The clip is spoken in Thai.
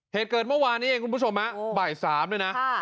เทศเกิดเมื่อวานนี้เองคุณผู้ชมนะอ๋อบ่ายสามด้วยน่ะค่ะ